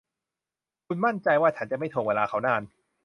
คุณมั่นใจว่าฉันจะไม่ถ่วงเวลาเขานาน